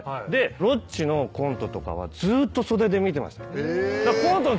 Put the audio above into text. ロッチのコントとかはずっと袖で見てました。